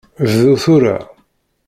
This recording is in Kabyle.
Bdu tura.